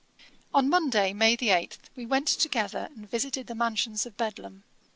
On Monday, May 8, we went together and visited the mansions of Bedlam.